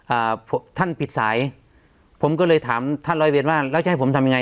อ่าท่านปิดสายผมก็เลยถามท่านร้อยเวรว่าแล้วจะให้ผมทำยังไง